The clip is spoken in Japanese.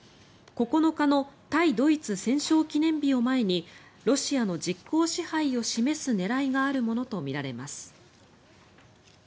９日の対ドイツ戦勝記念日を前にロシアの実効支配を示す狙いがあるものとみられます。